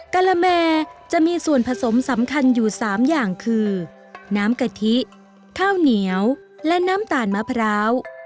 กะละแมจะมีส่วนผสมสำคัญอยู่๓อย่างคือน้ำกะทิข้าวเหนียวและน้ำตาลมะพร้าว